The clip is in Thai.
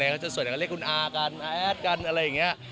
เขาจะส่วนเรียกคุณอาร์กันอาร์แอดกันอะไรอย่างเงี้ย